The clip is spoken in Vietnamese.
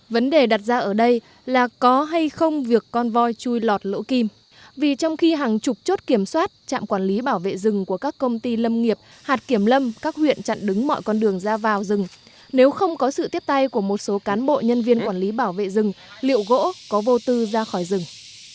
vấn đề đặt ra ở đây là có hay không việc con voi chui lọt lỗ kim vì trong khi hàng chục chốt kiểm soát trạm quản lý bảo vệ rừng của các công ty lâm nghiệp hạt kiểm lâm các huyện chặn đứng mọi con đường ra vào rừng nếu không có sự tiếp tay của một số cán bộ nhân viên quản lý bảo vệ rừng liệu gỗ có vô tư ra khỏi rừng